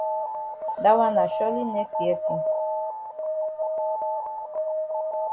Dat wan na surely next year tin.